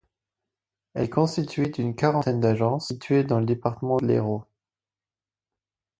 Elle est constituée d'une quarantaine d'agences, situées dans le département de l'Hérault.